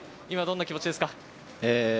今どんな気持ちですか？